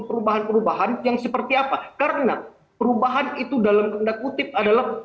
perubahan perubahan yang seperti apa karena perubahan itu dalam tanda kutip adalah